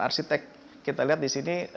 arsitek kita lihat disini